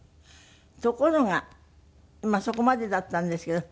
ところがまあそこまでだったんですけど。